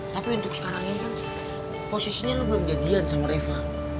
tapi untuk sekarang ini kan posisinya lu belum jadian sama reva